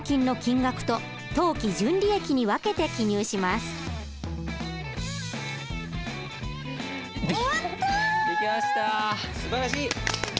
すばらしい！